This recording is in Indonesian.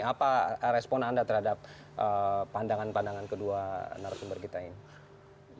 apa respon anda terhadap pandangan pandangan kedua narasumber kita ini